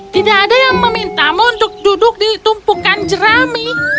tidak ada yang memintamu untuk duduk di tumpukan jerami